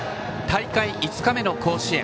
大会５日目の甲子園。